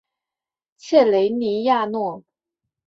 切雷尼亚诺。